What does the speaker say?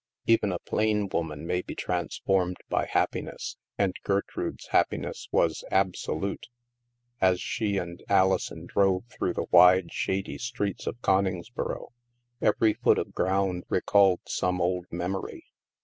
Even a plain woman may be transformed by happiness; and Gertrude's happiness was absolute. As she and Alison drove through the wide, shady streets of Coningsboro, every foot of ground re called some old memory.